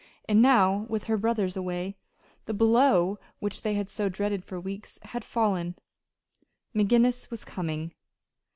And now, with her brothers away, the blow which they had so dreaded for weeks had fallen McGinnis was coming.